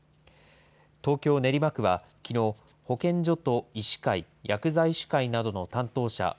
東京・練馬区はきのう、保健所と医師会、薬剤師会などの担当者